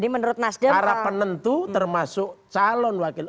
ini para penentu termasuk calon wakil